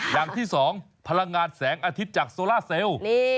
อย่างที่สองพลังงานแสงอาทิตย์จากโซล่าเซลล์